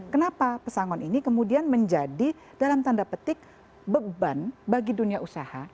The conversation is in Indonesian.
kenapa pesangon ini kemudian menjadi dalam tanda petik beban bagi dunia usaha